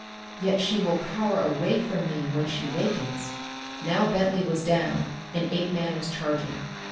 Yet she will cower away from me when she wakens." Now Bentley was down, and Apeman was charging.